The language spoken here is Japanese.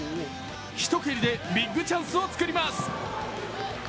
一蹴りでビッグチャンスを作ります。